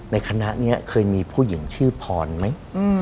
ในคณะนี้เคยมีผู้หญิงชื่อพรไหม